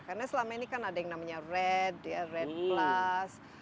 karena selama ini kan ada yang namanya red red plus